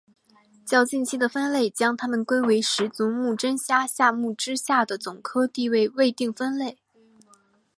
较近期的分类将它们归为十足目真虾下目之下的总科地位未定分类。